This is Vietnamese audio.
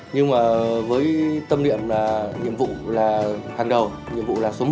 nhưng mà với tâm niệm là nhiệm vụ là hàng đầu nhiệm vụ là số một